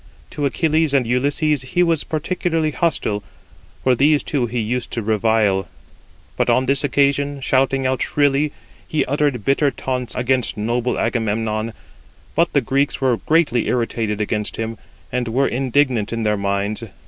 To Achilles and Ulysses he was particularly hostile, for these two he used to revile. But on this occasion, shouting out shrilly, he uttered bitter taunts against noble Agamemnon; but the Greeks were greatly irritated against him, and were indignant in their minds.